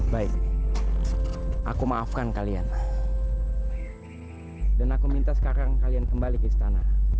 baik aku maafkan kalian dan aku minta sekarang kalian kembali ke istana